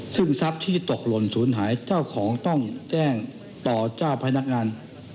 ซึ่งทรัพย์ที่ตกหล่นศูนย์หายเจ้าของต้องแจ้งต่อเจ้าพนักงาน